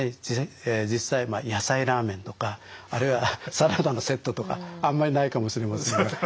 実際野菜ラーメンとかあるいはサラダのセットとかあんまりないかもしれませんが。